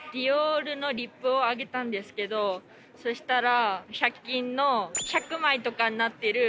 そしたら。